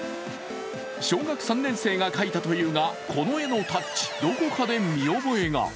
小学３年生が描いたというが、この絵のタッチ、どこかで見覚えが。